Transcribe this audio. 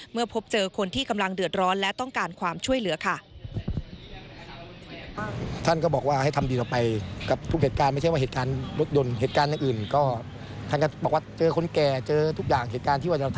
เมื่อพบเจอคนที่กำลังเดือดร้อนและต้องการความช่วยเหลือค่ะ